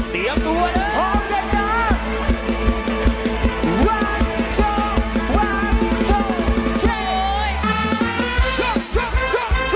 เตรียมตัวพอเต็มนะ